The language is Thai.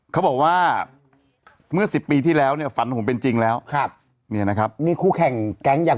ดับกันเดือนเซ็นเซอร์ไทยรัฐเนาะ